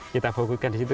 kita fokuskan di situ